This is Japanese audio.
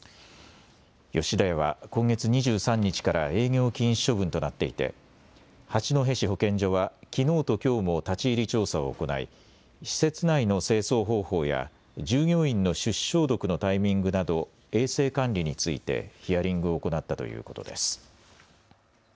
吉田屋は今月２３日から営業禁止処分となっていて八戸市保健所はきのうときょうも立ち入り調査を行い施設内の清掃方法や従業員の手指消毒のタイミングなど衛生管理についてヒアリングを行ったということです。